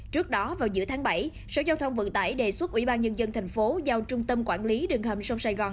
trước đó vào giữa tháng bảy sở giao thông vận tải đề xuất ubnd tp hcm giao trung tâm quản lý đường hầm sông sài gòn